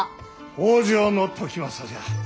北条時政じゃ。